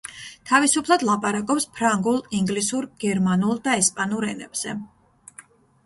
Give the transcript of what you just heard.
თავისუფლად ლაპარაკობს ფრანგულ, ინგლისურ, გერმანულ და ესპანურ ენებზე.